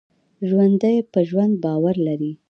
ژوندي په ژوند باور لري